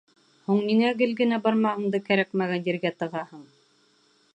Һуң ниңә гел генә бармағыңды кәрәкмәгән ергә тығаһың?